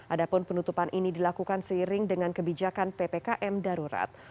adapun penutupan ini dilakukan seiring dengan kebijakan ppkm darurat